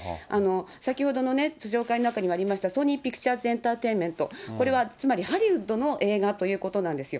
先ほどのね、紹介の中にもありましたソニー・ピクチャーズエンタテインメント、これはつまりハリウッドの映画ということなんですよ。